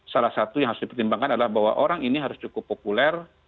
salah satu yang harus dipertimbangkan adalah bahwa orang ini harus cukup populer